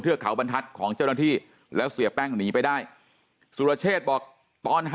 เขาบรรทัศน์ของเจ้าหน้าที่แล้วเสียแป้งหนีไปได้สุรเชษบอกตอน๕